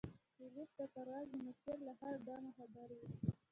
پیلوټ د پرواز د مسیر له هر ګامه خبر وي.